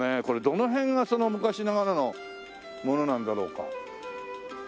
これどの辺がその昔ながらのものなんだろうか？